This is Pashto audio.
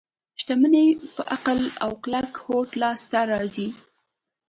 شتمني په عقل او کلک هوډ لاس ته راځي.